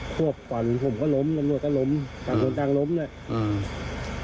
โควบฝันผมก็ล้มบรรทุกกำลังล้มด้าอือ